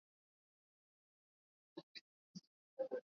a maporomoka hapo waliwahi kusema kwamba kuna